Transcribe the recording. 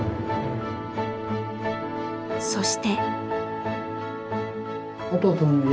そして。